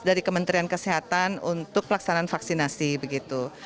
dari kementerian kesehatan untuk pelaksanaan vaksinasi begitu